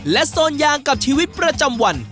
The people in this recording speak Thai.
โซนยางกับชีวิตประจำวัน